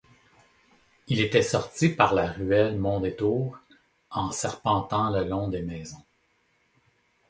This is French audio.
Il était sorti par la ruelle Mondétour en serpentant le long des maisons.